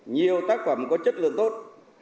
nhiều tác phẩm có chất lượng tốt